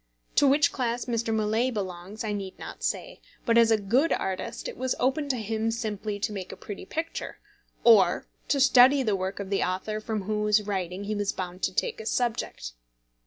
To which class Mr. Millais belongs I need not say; but, as a good artist, it was open to him simply to make a pretty picture, or to study the work of the author from whose writing he was bound to take his subject.